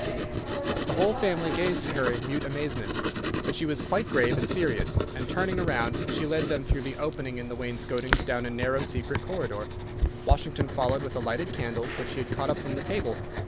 The whole family gazed at her in mute amazement, but she was quite grave and serious; and, turning round, she led them through the opening in the wainscoting down a narrow secret corridor, Washington following with a lighted candle, which he had caught up from the table.